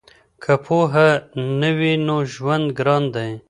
که پوهه نه وي نو ژوند ګران دی.